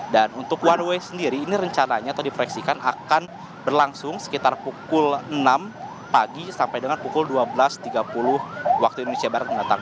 dan untuk one way sendiri ini rencananya atau diproyeksikan akan berlangsung sekitar pukul enam pagi sampai dengan pukul dua belas tiga puluh waktu indonesia barat mendatang